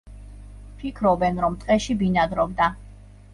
ფიქრობენ, რომ ტყეში ბინადრობდა.